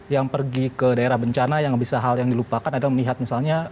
yang pergi ke daerah bencana yang bisa hal yang dilupakan adalah melihat misalnya